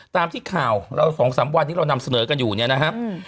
ตามที่ข่าวเราสองสามวันนี้เรานำเสนอกันอยู่เนี่ยนะครับ